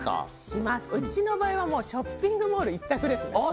しますうちの場合はもうショッピングモール一択ですね